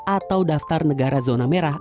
atau daftar negara zona merah